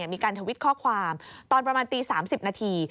มีการทวิตข้อความตอนประมาณตี๓๐นาที